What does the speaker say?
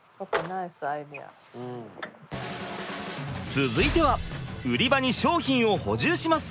続いては売り場に商品を補充します。